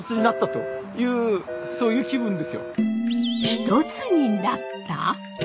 一つになった？